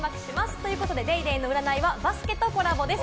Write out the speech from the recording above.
ということで『ＤａｙＤａｙ．』の占いはバスケとコラボです。